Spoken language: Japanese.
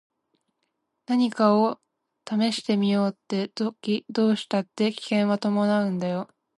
何かを試してみようって時どうしたって危険は伴うんだよ。